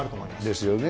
ですよね。